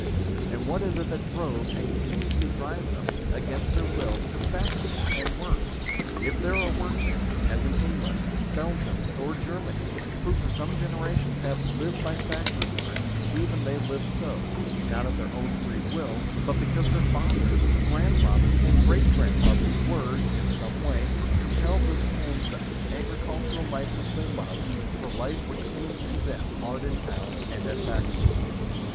and what it is that drove, and continues to drive them, against their will, to the factories and works ? If there are workmen, as in England, Belgium, or Germany, who for some generations have lived by factory work, even they live so, not at their own free will but because their fathers, grandfathers, and great grandfathers were, in some way, compelled to exchange the agricultural life which they loved, for life which seemed to them hard in towns and at factories.